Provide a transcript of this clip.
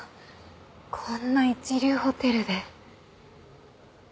こんな一流ホテルで。